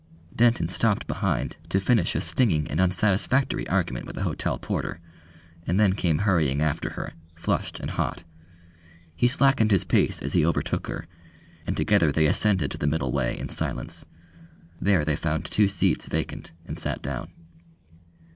Denton stopped behind to finish a stinging and unsatisfactory argument with the hotel porter, and then came hurrying after her, flushed and hot. He slackened his pace as he overtook her, and together they ascended to the middle way in silence. There they found two seats vacant and sat down.